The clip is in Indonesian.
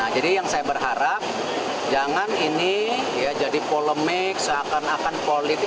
jadi yang saya berharap jangan ini jadi polemik seakan akan politik